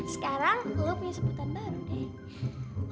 sekarang gue punya sebutan baru deh